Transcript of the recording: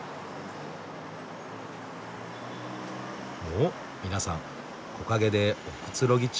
お皆さん木陰でおくつろぎ中。